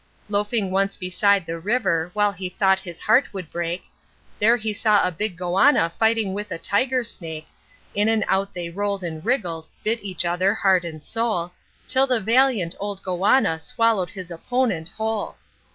..... Loafing once beside the river, while he thought his heart would break, There he saw a big goanna fighting with a tiger snake, In and out they rolled and wriggled, bit each other, heart and soul, Till the valiant old goanna swallowed his opponent whole.